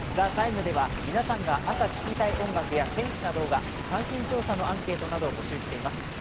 「ＴＨＥＴＩＭＥ，」では皆さんが朝聴きたい音楽や天使な動画、関心調査のアンケートなどを募集しています。